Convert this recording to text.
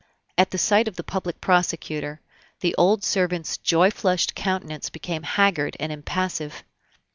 At the sight of the public prosecutor, the old servant's joy flushed countenance became haggard and impassive.